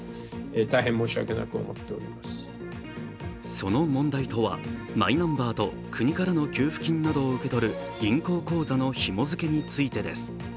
その問題とは、マイナンバーと国からの給付金などを受け取る受け取る銀行口座のひも付けについてです。